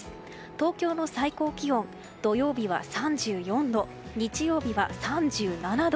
東京の最高気温、土曜日は３４度日曜日は３７度。